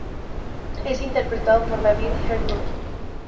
Es interpretado por David Harewood.